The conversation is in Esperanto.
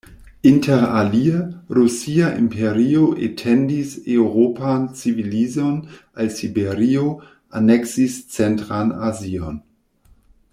Interalie, Rusia Imperio etendis eŭropan civilizon al Siberio, aneksis centran Azion.